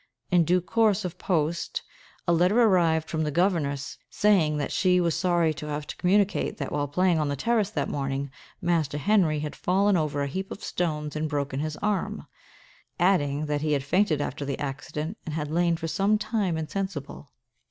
In due course of post, a letter arrived from the governess, saying that she was sorry to have to communicate that, while playing on the terrace that morning, Master Henry had fallen over a heap of stones, and broken his arm; adding that he had fainted after the accident, and had lain for some time insensible.